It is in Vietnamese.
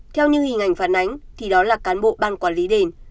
theo như hình ảnh phản ánh thì đó là cán bộ ban quản lý đền